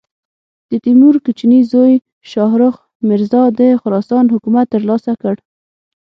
د تیمور کوچني زوی شاهرخ مرزا د خراسان حکومت تر لاسه کړ.